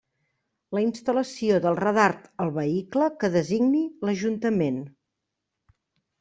La instal·lació del radar al vehicle que designi l'Ajuntament.